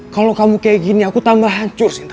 kalau kamu kayak gini aku tambah hancur sih